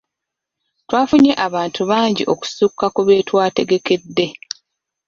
Twafunye abantu bangi okusukka ku be twategekedde.